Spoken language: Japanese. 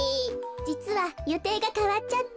じつはよていがかわっちゃって。